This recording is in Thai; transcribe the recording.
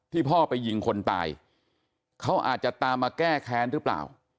พ่อไปยิงคนตายเขาอาจจะตามมาแก้แค้นหรือเปล่า